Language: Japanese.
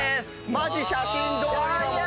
マジ写真どおりの物！